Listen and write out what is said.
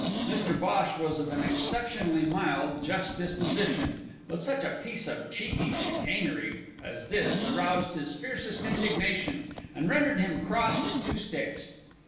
Mr Bhosh was of an exceptionally mild, just disposition, but such a piece of cheeky chicanery as this aroused his fiercest indignation and rendered him cross as two sticks.